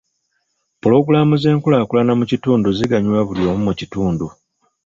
Pulogulaamu z'enkulaakulana mu kitundu ziganyula buli omu mu kitundu.